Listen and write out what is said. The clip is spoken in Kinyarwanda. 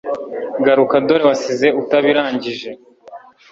garuka dore wasize utabirangije